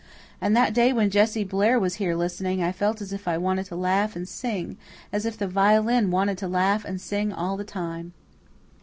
And that day when Jessie Blair was here listening I felt as if I wanted to laugh and sing as if the violin wanted to laugh and sing all the time."